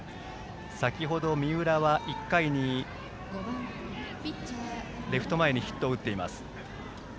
先程、三浦は１回にレフト前にヒットを打っています。